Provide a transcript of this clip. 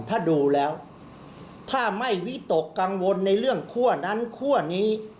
ถ้าดูแล้วถ้าไม่วิตกกังวลในเรื่องคั่วนั้นคั่วนี้